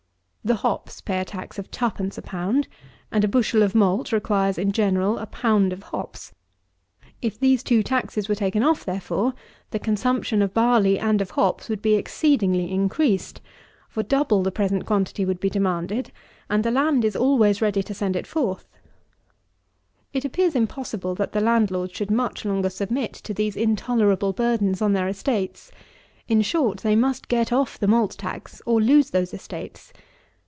The hops pay a tax of 2_d._ a pound; and a bushel of malt requires, in general, a pound of hops; if these two taxes were taken off, therefore, the consumption of barley and of hops would be exceedingly increased; for double the present quantity would be demanded, and the land is always ready to send it forth. 22. It appears impossible that the landlords should much longer submit to these intolerable burdens on their estates. In short, they must get off the malt tax, or lose those estates.